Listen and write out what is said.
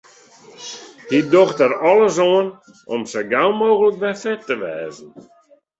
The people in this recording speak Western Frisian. Hy docht der alles oan om sa gau mooglik wer fit te wêzen.